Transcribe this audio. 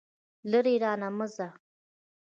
لرې رانه مه ځه.